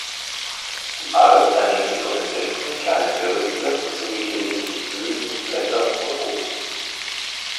Die Art ernährt sich von Insekten, kleinen Wirbeltieren sowie gelegentlich Blüten, Blättern und Obst.